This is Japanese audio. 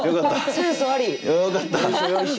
センスありです。